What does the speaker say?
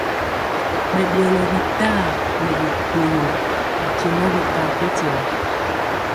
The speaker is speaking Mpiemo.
Ɓɛ ɗeyɔlɔ bitaa nɛ bikpoyo nkye nɔ bi ka mpenkyela.